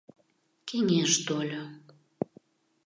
Кеҥеж тольо.